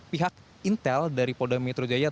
pihak intel dari polda metro jaya